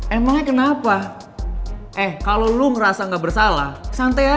emangnya kenapa eh kalo lo ngerasa gak bersalah santai aja dong